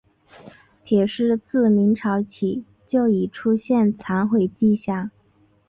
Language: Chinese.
铁狮自明朝起就已出现残毁迹象。